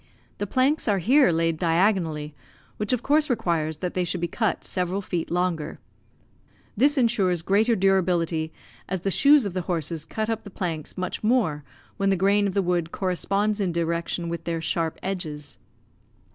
The planks are here laid diagonally, which of course requires that they should be cut several feet longer. This ensures greater durability, as the shoes of the horses cut up the planks much more when the grain of the wood corresponds in direction with their sharp edges.